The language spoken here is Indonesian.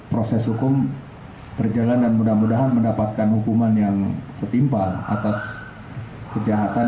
proses hukum mencalon demetan mudah mudahan mendapatkan hukuman yang setimpal atas kejahatan